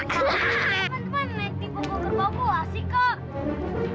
teman teman naik di pokok kerbauku asik kak